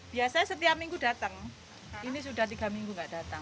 biasanya setiap minggu datang ini sudah tiga minggu nggak datang